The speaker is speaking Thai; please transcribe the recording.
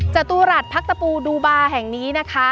จัตรูหลัดพักตะปูดูบาแห่งนี้นะคะ